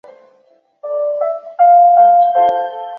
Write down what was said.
本站不办理客货运业务。